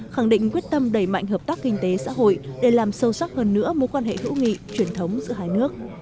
khẳng định quyết tâm đẩy mạnh hợp tác kinh tế xã hội để làm sâu sắc hơn nữa mối quan hệ hữu nghị truyền thống giữa hai nước